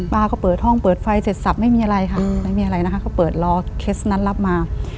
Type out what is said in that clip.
ป้าก็เปิดห้องเปิดไฟเสร็จสับไม่มีอะไรค่ะไม่มีอะไรนะคะก็เปิดรอเคสนั้นรับมา